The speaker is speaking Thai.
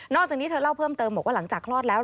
จากนี้เธอเล่าเพิ่มเติมบอกว่าหลังจากคลอดแล้ว